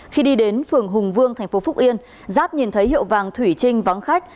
khi đi đến phường hùng vương thành phố phúc yên giáp nhìn thấy hiệu vàng thủy trinh vắng khách